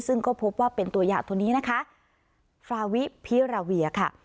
ซึ่งก็พบว่าเป็นตัวอย่างตัวนี้นะคะฟราวิพิราเวียค่ะ